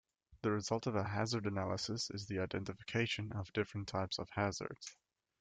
The result of a hazard analysis is the identification of different type of hazards.